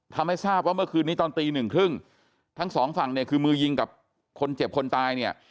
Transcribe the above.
ทำให้ทราบว่าเมื่อคืนนี้ตอนตีหนึ่งครึ่งทั้งสองฝั่งเนี่ยคือมือยิงกับคนเจ็บคนตายเนี่ย